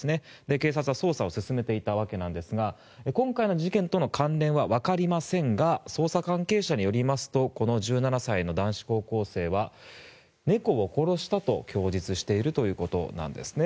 警察は捜査を進めていたわけですが今回の事件との関連はわかりませんが捜査関係者によりますとこの１７歳の男子高校生は猫を殺したと供述しているということです。